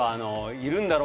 「いるんだろ？」